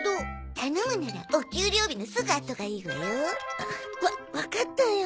頼むならお給料日のすぐあとがいいわよ。わわかったよ。